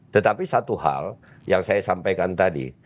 tetapi satu hal yang saya sampaikan tadi